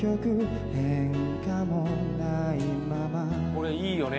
これいいよね。